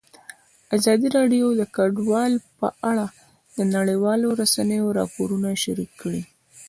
ازادي راډیو د کډوال په اړه د نړیوالو رسنیو راپورونه شریک کړي.